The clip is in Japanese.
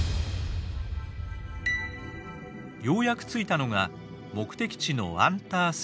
ようやく着いたのが目的地のアンターセー湖。